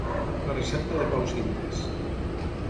la recepta de Pau Sintes